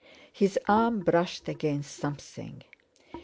His arm brushed against something.